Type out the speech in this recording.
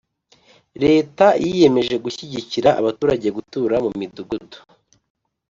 leta yiyemeje gushyigikira abaturage gutura mu midugudu.